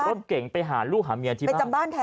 ขับรถเก่งไปหาลูกหาเมียที่บ้าน